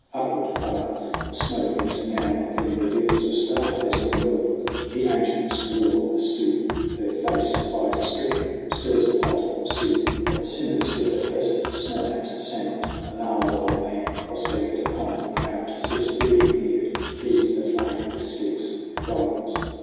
Upward, far, The smoke vent now and then reveals a star As in a well. The ancient squaw, a stoop, Her face light stricken, stirs a pot of soup Ii8 SONG OF HUGH GLASS That simmers with a pleasant smell and sound. A gnarled old man, cross legged upon the ground, Sits brooding near. He feeds the flame with sticks ; It brightens.